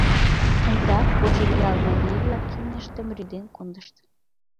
Ондак Кожеръял марий-влак имньыштым рӱден кондышт.